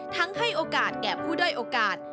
ทั้งให้โอกาสแก่ผู้โดยโอกาส